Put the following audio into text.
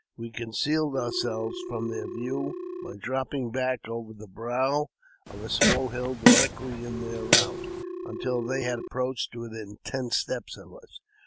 We concealed ourselves from their view by dropping back over the brow of a small hill directly in their route, until they had approached within ten steps of us.